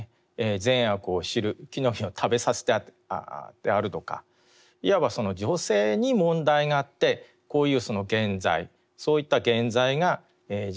善悪を知る木の実を食べさせたであるとかいわばその女性に問題があってこういう原罪そういった原罪が人類にですね